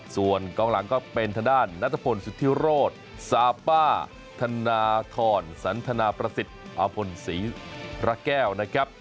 ส่วนกองหลังก็เป็นทางด้านนัทพลสุธิโรธซาป้าธนทรสันทนาประสิทธิ์อพลศรีพระแก้วนะครับ